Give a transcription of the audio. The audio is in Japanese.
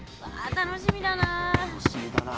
楽しみだな。